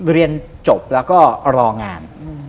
เรียนจบแล้วก็รองาน